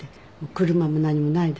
車も何もないですから。